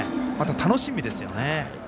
また楽しみですよね。